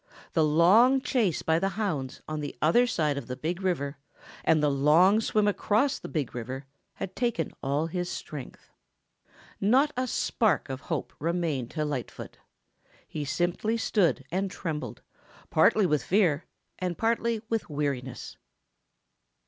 The long chase by the hounds on the other side of the Big River and the long swim across the Big River had taken all his strength. Not a spark of hope remained to Lightfoot. He simply stood still and trembled, partly with fear and partly with weariness.